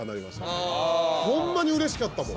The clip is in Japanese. ホンマにうれしかったもん。